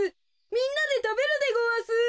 みんなでたべるでごわす。